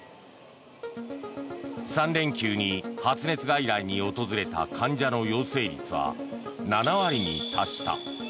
３連休に発熱外来に訪れた患者の陽性率は７割に達した。